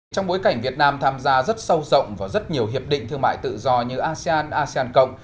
trong bối cảnh việt nam tham gia rất sâu rộng vào rất nhiều hiệp định thương mại tự do như asean asean cộng